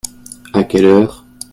À quelle heure ?